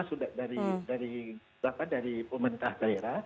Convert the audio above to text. sudah dari dari dari pemerintah daerah